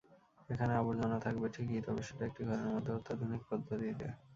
এখানে আবর্জনা থাকবে ঠিকই, তবে সেটা একটি ঘরের মধ্যে অত্যাধুনিক পদ্ধতিতে।